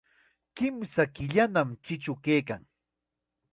Kimsa killanam chichu kaykan.